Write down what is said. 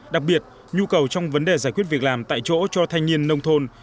đặc biệt nhu cầu trong vấn đề giải quyết việc làm tại chỗ cho thanh niên nông thôn